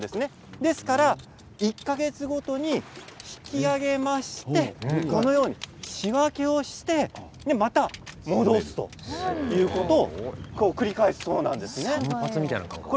ですから１か月ごとに引き揚げましてこのように仕分けをしてまた戻すということを繰り返すそうなんです。